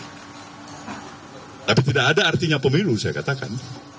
tapi tidak ada artinya pemilu saya katakan